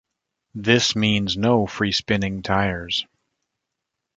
This means no free-spinning tires.